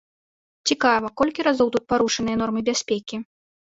Цікава, колькі разоў тут парушаныя нормы бяспекі?